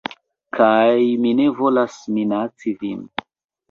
Kaj mi ne volas minaci vin